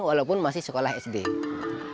walaupun masih sekolah sdm